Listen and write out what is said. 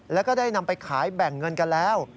แล้วก็ได้นำไปขายแบ่งเงินกันแล้ว